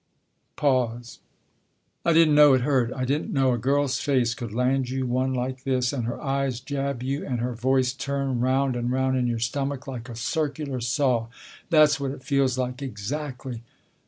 Pause. " I didn't know it hurt. I didn't know a girl's face could land you one like this, and her eyes jab you, and her voice turn round and round in your stomach like a circular saw. That's what it feels like. Exactly.